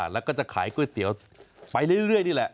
แล้วก็จะขายก๋วยเตี๋ยวไปเรื่อยนี่แหละ